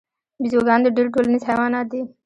بیزوګان ډیر ټولنیز حیوانات دي